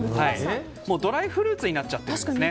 ドライフルーツになっちゃってるんですね。